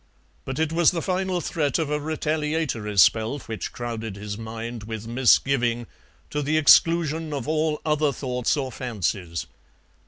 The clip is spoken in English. But it was the final threat of a retaliatory spell which crowded his mind with misgiving to the exclusion of all other thoughts or fancies.